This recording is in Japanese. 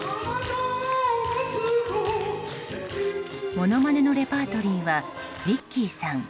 ものまねのレパートリーはウィッキーさん